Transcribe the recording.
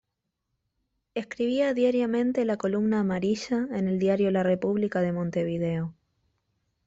Escribía diariamente "La columna amarilla" en el diario "La República" de Montevideo.